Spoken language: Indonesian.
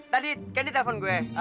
tadi kendi telepon gue